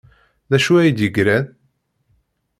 D acu ay d-yeggran?